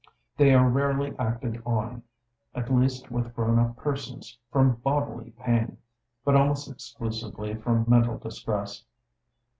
They are rarely acted on, at least with grown up persons, from bodily pain, but almost exclusively from mental distress.